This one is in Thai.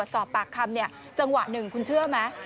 จังหวะหนึ่งคุณเชื่อไหม